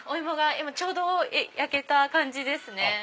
今ちょうど焼けた感じですね。